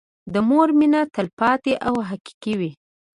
د مور مينه تلپاتې او حقيقي وي.